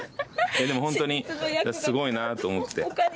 でも本当にすごいなと思って。